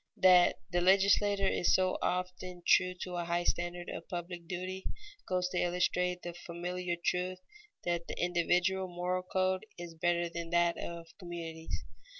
_ That the legislator is so often true to a high standard of public duty, goes to illustrate the familiar truth that the individual moral code is better than that of communities.